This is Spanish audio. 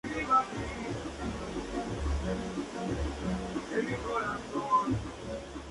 Las costillas apenas reconocibles están dispuestas en espiral y casi completamente perdidas.